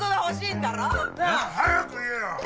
早く言えよ！